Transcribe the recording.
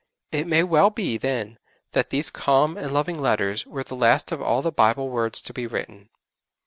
It may well be then that these calm and loving letters were the last of all the Bible words to be written.